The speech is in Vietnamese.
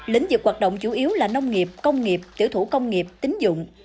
lĩnh vực hoạt động chủ yếu là nông nghiệp công nghiệp tiểu thủ công nghiệp tính dụng